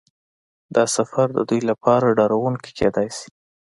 دا سفر د دوی لپاره ډارونکی کیدای شي